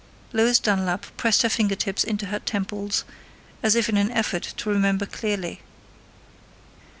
Lois Dunlap pressed her fingertips into her temples, as if in an effort to remember clearly.